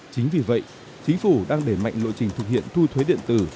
chính vì vậy chính phủ đang để mạnh nội trình thực hiện thu thuế điện tử